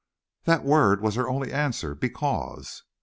"That word was her only answer: 'Because.'"